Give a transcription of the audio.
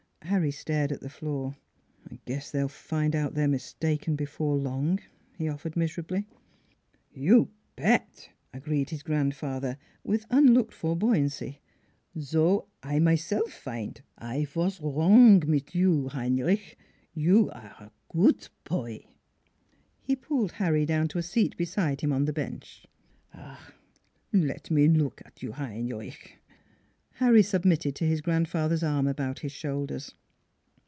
Harry stared at the floor. " I guess they'll find out they're mistaken be fore long," he offered miserably. 'You pet! " agreed his grandfather, with un looked for buoyancy. " Zo I myself find; I vas wrong mit you, Heinrich. You are goot poy." He pulled Harry down to a seat beside him on the bench. " Ach, let me look at you, Heinrich !" NEIGHBORS 329 Harry submitted to his grandfather's arm about his shoulders.